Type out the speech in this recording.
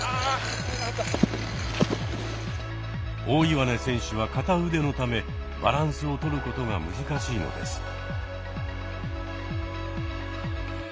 大岩根選手は片腕のためバランスをとることが難しいのです。